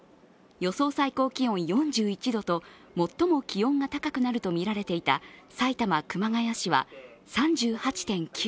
予想最高気温４１度と最も気温が高くなるとみられていた埼玉熊谷市は、３８．９度。